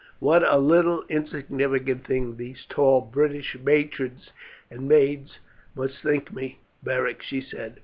"What a little insignificant thing these tall British matrons and maids must think me, Beric!" she said.